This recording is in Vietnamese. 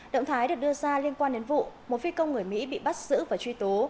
động thái được đưa ra liên quan đến vụ một phi công người mỹ bị bắt giữ và truy tố